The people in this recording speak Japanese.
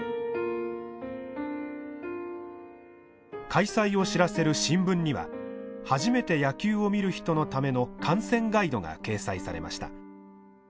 開催を知らせる新聞には初めて野球を見る人のための観戦ガイドが掲載されました。